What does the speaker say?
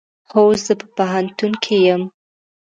هو، زه په پوهنتون کې یم